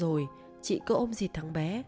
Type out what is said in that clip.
rồi chị cứ ôm dịp thằng bé